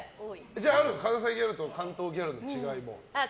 じゃあ、関西ギャルと関東ギャルの違いもあるの？